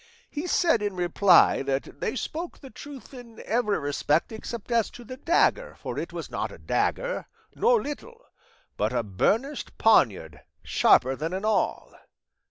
He said in reply that they spoke the truth in every respect except as to the dagger, for it was not a dagger, nor little, but a burnished poniard sharper than an awl."